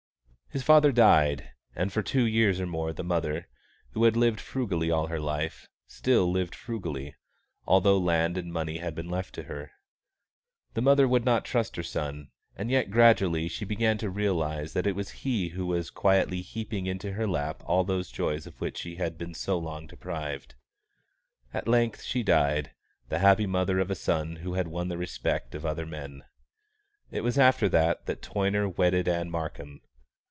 His father died; and for two years or more the mother, who had lived frugally all her life, still lived frugally, although land and money had been left to her. The mother would not trust her son, and yet gradually she began to realise that it was he who was quietly heaping into her lap all those joys of which she had been so long deprived. At length she died, the happy mother of a son who had won the respect of other men. It was after that that Toyner wedded Ann Markham.